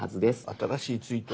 「新しいツイート」。